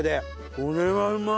これはうまい！